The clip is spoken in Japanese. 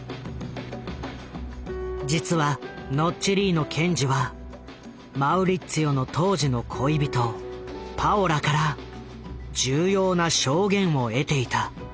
実はノッチェリーノ検事はマウリッツィオの当時の恋人パオラから重要な証言を得ていた。